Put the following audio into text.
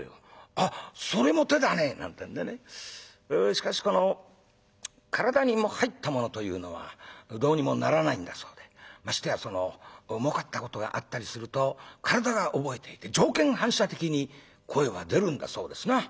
しかしこの体にもう入ったものというのはどうにもならないんだそうでましてやそのもうかったことがあったりすると体が覚えていて条件反射的に声は出るんだそうですな。